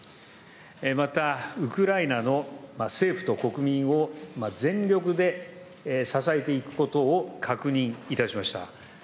また、ウクライナの政府と国民を全力で支えていくことを確認いたしました。